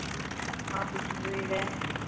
اما تو سوئي رهي.